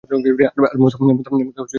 আর মূসা সংজ্ঞাহীন হয়ে পড়ল।